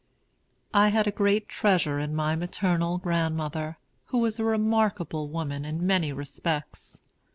I had a great treasure in my maternal grandmother, who was a remarkable woman in many respects.